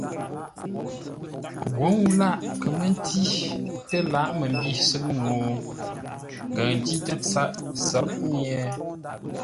Wǒ ŋuu lâʼ kə̌ mə́ ntî tə́ lǎghʼ məmbî sʉ́ŋ no, kəʉ ntî tə́ sǎr kúnye?